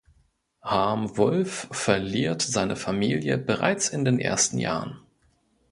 Harm Wulf verliert seine Familie bereits in den ersten Jahren.